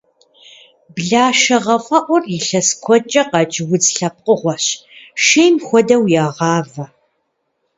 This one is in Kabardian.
Блэшэгъэфӏэӏур илъэс куэдкӏэ къэкӏ удз лъэпкъыгъуэщ, шейм хуэдэу ягъавэ.